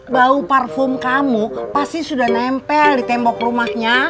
bau parfum kamu pasti sudah nempel di tembok rumahnya